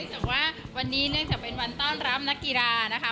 แต่ว่าวันนี้เนื่องจากเป็นวันต้อนรับนักกีฬานะคะ